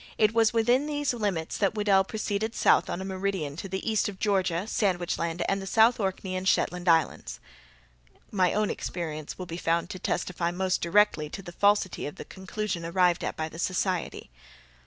It was within these limits that Weddel proceeded south on a meridian to the east of Georgia, Sandwich Land, and the South Orkney and Shetland islands." My own experience will be found to testify most directly to the falsity of the conclusion arrived at by the society.